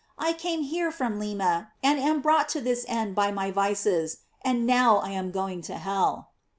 I came here from Lima, and am brought to this end by my vices, and now I am going to hell."